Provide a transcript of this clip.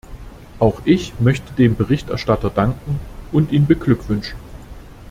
Auch ich möchte dem Berichterstatter danken und ihn beglückwünschen.